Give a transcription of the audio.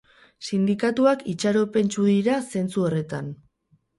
Sindikatuak itxaropentsu dira zentzu horretan.